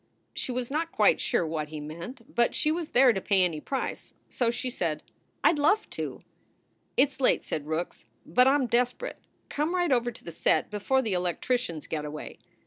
She was not quite sure what he meant, but she was there to pay any price, so she said: "I d love to." "It s late," said Rookes, "but I m desperate. Come right over to the set before the electricians get away."